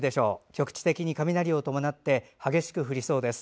局地的に雷を伴って激しく降りそうです。